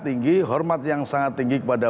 tinggi hormat yang sangat tinggi kepada